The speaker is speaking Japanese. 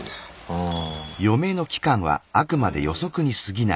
うん。